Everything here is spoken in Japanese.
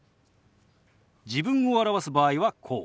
自分を表す場合はこう。